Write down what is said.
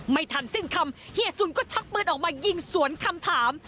ไม่ทันสิ้นคำเฮียสุนก็ชักปืนออกมายิงสวนคำถาม